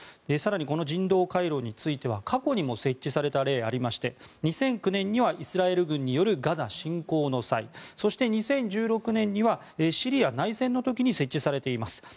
更にこの人道回廊については過去にも設置された例がありまして２００９年にはイスラエル軍によるガザ侵攻の際そして２０１６年の際にはシリア内戦の時に設置されています。